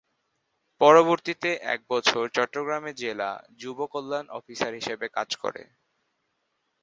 পরবর্তীতে এক বছর চট্টগ্রামে জেলা যুব কল্যাণ অফিসার হিসেবে কাজ করে।